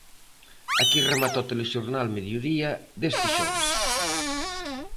Aquí remata o Telexornal Mediodía deste xoves.